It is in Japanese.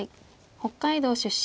北海道出身。